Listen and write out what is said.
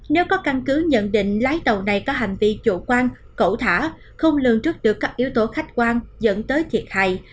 nếu có căn cứ nhận định lái tàu này có hành vi chủ quan cẩu thả không lường trước được các yếu tố khách quan dẫn tới thiệt hại